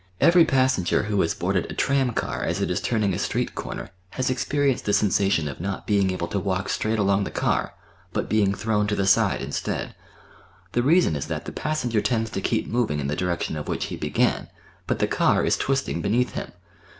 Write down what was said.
Every passenger who has boarded a tramcar as it is turning a street corner has experienced the sensa tion of not being able to walk straight along the car, but being thrown to the side instead. The reason is that the passenger tends to keep moving in the direction of which he began, but the car is twisting beneath him.